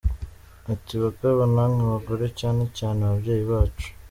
Ati “Bagabo, namwe bagore cyane cyane babyeyi bacu….